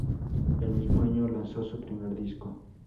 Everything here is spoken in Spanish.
El mismo año lanzó su primer disco.